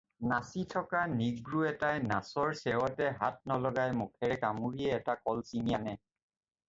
নাচি থকা নিগ্ৰো এটাই নাচৰ চেৱতে হাত নলগাই মুখেৰেই কামুৰিয়েই এটা কল ছিঙি আনে